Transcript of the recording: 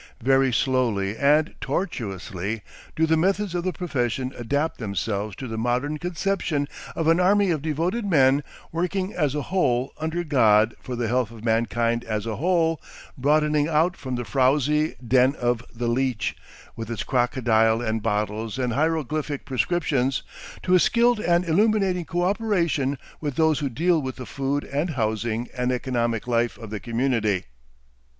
Very slowly and tortuously do the methods of the profession adapt themselves to the modern conception of an army of devoted men working as a whole under God for the health of mankind as a whole, broadening out from the frowsy den of the "leech," with its crocodile and bottles and hieroglyphic prescriptions, to a skilled and illuminating co operation with those who deal with the food and housing and economic life of the community.